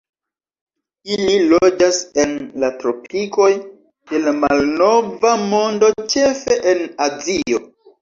Ili loĝas en la tropikoj de la Malnova Mondo, ĉefe en Azio.